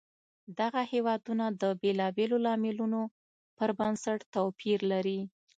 دغه هېوادونه د بېلابېلو لاملونو پر بنسټ توپیر لري.